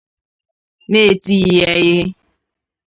n'etighị ya ihe